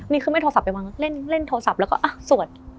นี่ขึ้นไปโทรศัพท์ไปว่างเล่นเล่นโทรศัพท์แล้วก็อ้าวสวด